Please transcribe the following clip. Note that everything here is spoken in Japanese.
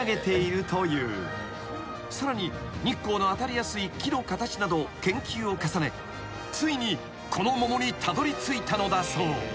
［さらに日光の当たりやすい木の形など研究を重ねついにこの桃にたどりついたのだそう］